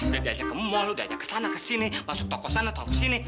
udah diajak ke mall udah diajak kesana kesini masuk toko sana toko sini